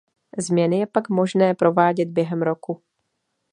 Změny je pak možné provádět během roku.